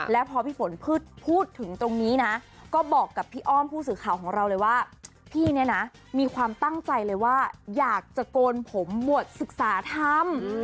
แล้วพอพี่ฝนพูดถึงตรงนี้นะก็บอกกับพี่อ้อมผู้สื่อข่าวของเราเลยว่าพี่เนี่ยนะมีความตั้งใจเลยว่าอยากจะโกนผมบวชศึกษาธรรม